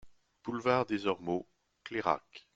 Boulevard des Ormeaux, Clairac